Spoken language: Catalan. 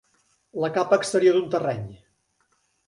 La capa exterior d'un terreny.